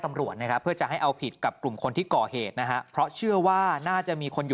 ตำรวจนะครับเพื่อจะให้เอาผิดกับกลุ่มคนที่ก่อเหตุนะฮะเพราะเชื่อว่าน่าจะมีคนอยู่